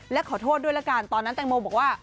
และขอโทษด้วยละกันตอนนั้นแตงโมบอกว่า